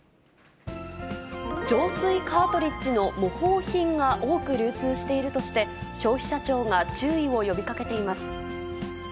浄水カートリッジの模倣品が多く流通しているとして、消費者庁が注意を呼びかけています。